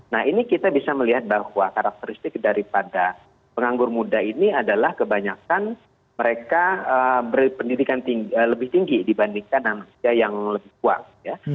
nah ini kita bisa melihat bahwa karakteristik daripada penganggur muda ini adalah kebanyakan mereka berpendidikan lebih tinggi dibandingkan anak usia yang lebih kuat ya